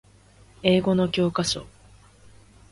英語の教科書